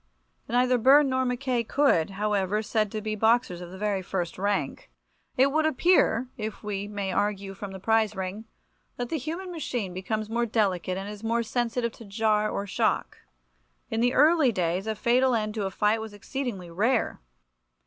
Neither Byrne nor Mackay could, however, be said to be boxers of the very first rank. It certainly would appear, if we may argue from the prize ring, that the human machine becomes more delicate and is more sensitive to jar or shock. In the early days a fatal end to a fight was exceedingly rare.